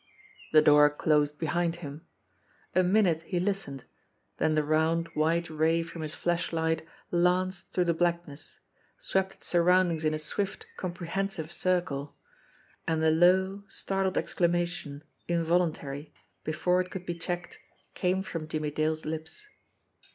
The door closed behind him. A minute he listened, then the round, white ray from his flashlight lanced through the blackness, swept its surroundings in a swift, comprehensive circle and a low, startled exclamation, involuntary, before it could be checked, came from Jimmie Dale's lips.